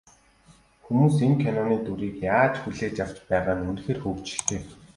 Хүмүүс энэ киноны дүрийг яаж хүлээж авч байгаа нь үнэхээр хөгжилтэй.